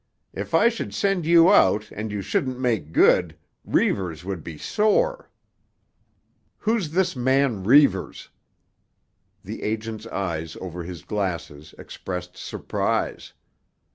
"If I should send you out and you shouldn't make good, Reivers would be sore." "Who's this man Reivers?" The agent's eyes over his glasses expressed surprise.